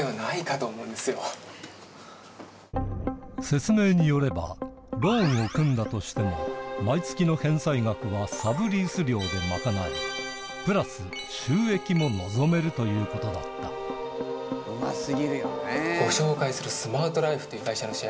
説明によればローンを組んだとしても毎月の返済額はサブリース料で賄えプラス収益も望めるということだったそうなんです。